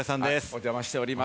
お邪魔しております。